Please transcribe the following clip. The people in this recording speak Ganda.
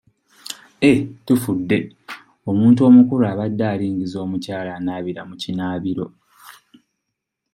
Eh tufudde! Omuntu omukulu abadde alingiza omukyala anaabira mu kinaabiro.